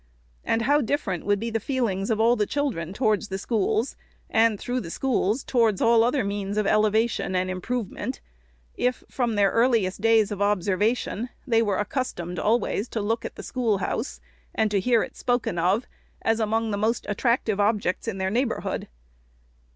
And how different would be the feelings of all the children towards the schools, and through the schools towards all other means of elevation and improvement, if, from their earliest days of observation, they were accustomed always to look at the schoolhouse, and to hear it spoken of, as among the most attractive objects in the neighborhood